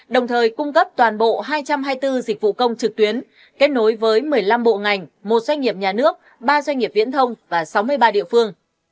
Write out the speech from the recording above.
đồng thời cung cấp toàn bộ hai trăm hai mươi bốn dịch vụ công trực tuyến kết nối với một mươi năm bộ ngành một doanh nghiệp nhà nước ba doanh nghiệp viễn thông và sáu mươi ba địa phương